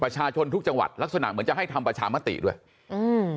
ประชาชนทุกจังหวัดลักษณะเหมือนจะให้ทำประชามติด้วยอืม